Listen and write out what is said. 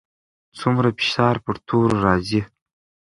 څومره فشار پر تورو راځي؟